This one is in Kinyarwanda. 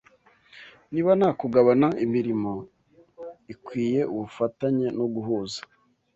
Niba nta kugabana imirimo ikwiye ubufatanye no guhuza